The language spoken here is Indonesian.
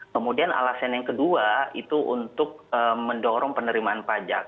kemudian alasan yang kedua itu untuk mendorong penerimaan pajak